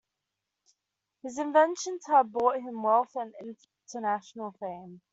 His inventions had brought him wealth and international fame.